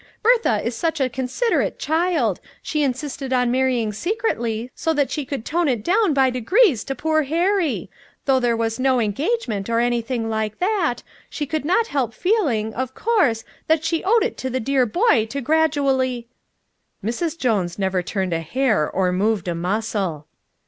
Bertha is such a considerate child; she insisted on marrying secretly so that she could tone it down by degrees to poor Harry; though there was no engagement or anything like that, she could not help feeling, of course, that she owed it to the dear boy to gradually " Mrs. Jones never turned a hair or moved a muscle.